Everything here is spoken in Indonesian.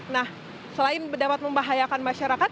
nah selain dapat membahayakan masyarakat